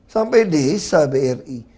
sampai desa bri